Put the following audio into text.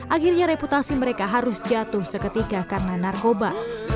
akhirnya reputasi mereka harus jatuh seketika karena narkoba